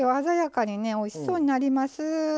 鮮やかにねおいしそうになります。